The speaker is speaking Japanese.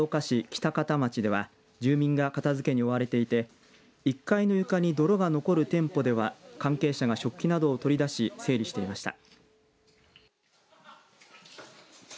北方町では住民が片づけに追われていて１階の床に泥が残る店舗では関係者などが食器などを取り出し整理していました。